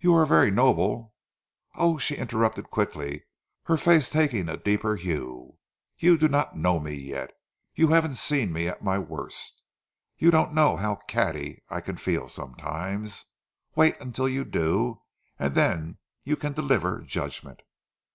"You are a very noble " "Oh," she interrupted quickly, her face taking a deeper hue. "You do not know me yet. You haven't seen me at my worst. You don't know how catty I can feel sometimes. Wait until you do, and then you can deliver judgment."